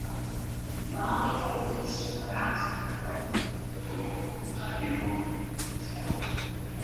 "Bigo bāzējas Spānijas augstākās līgas futbola klubs Bigo "Celta"."